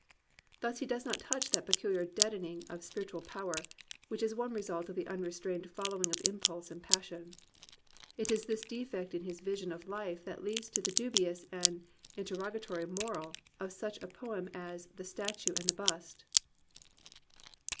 Thus he does not touch that peculiar deadening of spiri tual power which is one result of the unrestrained following of impulse and passion. It is this defect in his vision of life that leads to the dubious and interrogatory moral of such a poem as The Statue and the Bust.